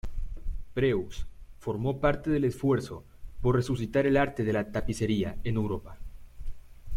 Preux formó parte del esfuerzo por resucitar el arte de la tapicería en Europa.